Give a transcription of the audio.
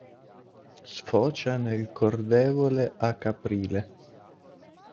Sfocia nel Cordevole a Caprile.